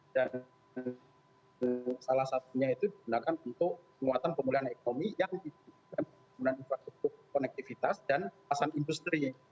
dan salah satunya itu digunakan untuk penguatan pemulihan ekonomi yang digunakan untuk penggunaan infrastruktur konektivitas dan pasan industri